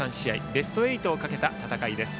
ベスト８をかけた戦いです。